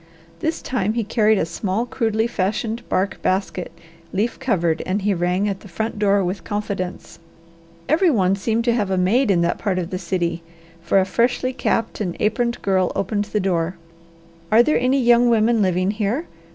This time he carried a small, crudely fashioned bark basket, leaf covered, and he rang at the front door with confidence. Every one seemed to have a maid in that part of the city, for a freshly capped and aproned girl opened the door. "Are there any young women living here?"